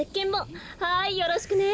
はいよろしくね。